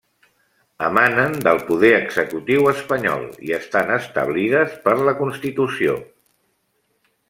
Emanen del poder executiu espanyol i estan establides per la Constitució.